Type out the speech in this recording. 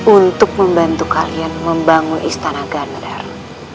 untuk membantu kalian membangun istana gandar